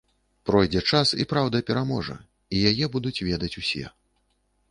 Пройдзе час, і праўда пераможа, і яе будуць ведаць усе.